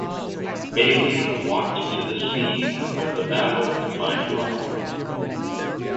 Bailey walked to the scene of the battle to find her uncle.